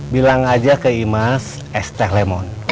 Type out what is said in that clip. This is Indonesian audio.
bilang aja ke imas es teh lemon